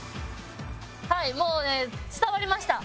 はいもうね伝わりました。